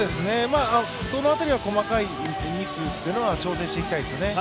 その辺りは細かいミスは調整していきたいですよね。